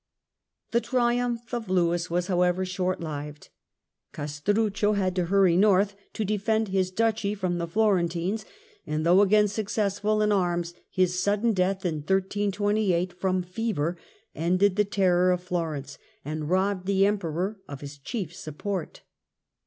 The triumph of Lewis was, however, short lived. Cas truccio had to hurry North to defend his Duchy from the Florentines, and though again successful in arms, Death of his sudden death from fever ended the terror of Florence Ca|truccio, and robbed the Emperor of his chief support.